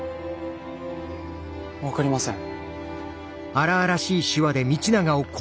分かりません。